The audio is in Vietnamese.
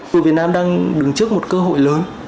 chủ tịch việt nam đang đứng trước một cơ hội lớn